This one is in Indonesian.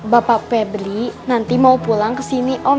bapak febri nanti mau pulang kesini om